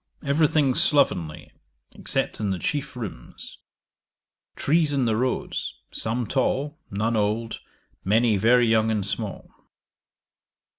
Every thing slovenly, except in the chief rooms. Trees in the roads, some tall, none old, many very young and small.